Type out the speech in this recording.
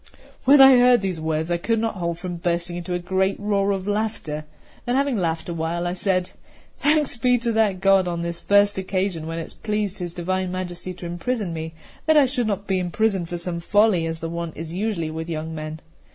CIII WHEN I heard these words, I could not hold from bursting into a great roar of laughter; then, having laughed a while, I said: "Thanks be to that God on this first occasion, when it has pleased His Divine Majesty to imprison me, I should not be imprisoned for some folly, as the wont is usually with young men.